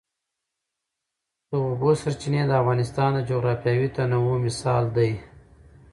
د اوبو سرچینې د افغانستان د جغرافیوي تنوع مثال دی.